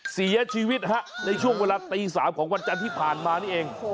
เสียชีวิตฮะในช่วงเวลาตี๓ของวันจันทร์ที่ผ่านมานี่เอง